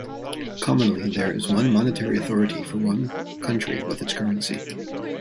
Commonly, there is one monetary authority for one country with its currency.